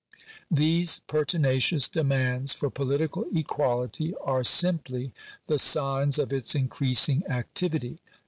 These pertinacious demands for political equality are simply the signs of its increasing activity.